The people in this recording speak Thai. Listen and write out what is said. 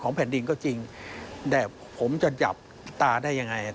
ของแผ่นดิงก็จริงแต่ผมจะหยับตาได้อย่างไร